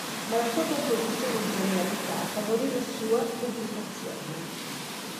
Ma la sua composizione e genialità favorì la sua pubblicazione.